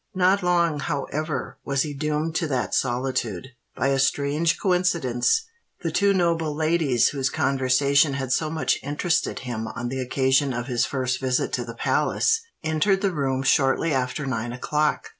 Not long, however, was he doomed to that solitude. By a strange coincidence, the two noble ladies whose conversation had so much interested him on the occasion of his first visit to the palace, entered the room shortly after nine o'clock.